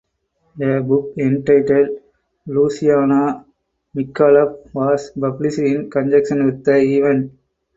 A book entitled "Luciano Micallef" was published in conjunction with the event.